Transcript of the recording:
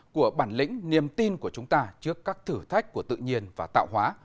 của bản lĩnh niềm tin của chúng ta trước các thử thách của tự nhiên và tạo hóa